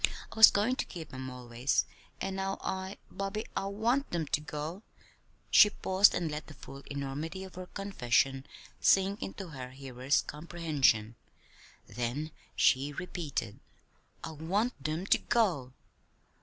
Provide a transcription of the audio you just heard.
I was goin' to keep 'em always; and now I Bobby, I want them to go!" she paused and let the full enormity of her confession sink into her hearer's comprehension. Then she repeated: "I want them to go!"